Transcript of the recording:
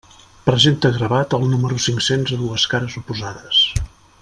Presenta gravat el número cinc-cents a dues cares oposades.